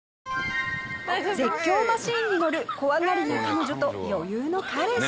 絶叫マシンに乗る怖がりの彼女と余裕の彼氏。